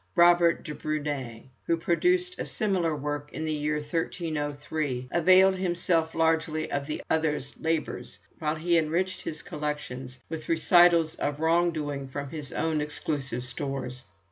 Robert of Brunné, who produced a similar work in the year 1303, availed himself largely of the other's labours, while he enriched his collections with recitals of wrong doing from his own exclusive stores.